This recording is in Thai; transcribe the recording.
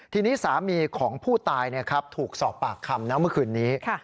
ทีนี้สามีของผู้ตายถูกสอบปากคำนะเมื่อคืนนี้